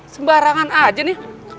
sembarangan aja ini